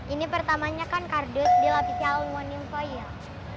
ini pertamanya kan kardus dilapisi aluminium foil